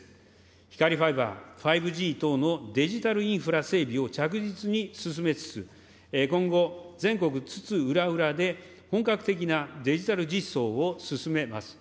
光ファイバー、５Ｇ等のデジタルインフラ整備を着実に進めつつ、今後、全国津々浦々で本格的なデジタル実装を進めます。